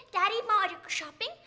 daddy mau ajak aku shopping